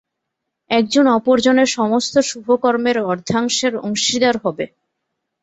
একজন অপর জনের সমস্ত শুভকর্মের অর্ধাংশের অংশীদার হবে।